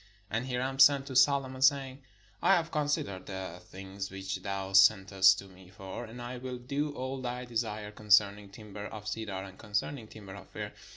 And Hiram sent to Solo mon, saying: "I have considered the things which thou sen test to me for : and I will do all thy desire concern ing timber of cedar, and concerning timber of fir.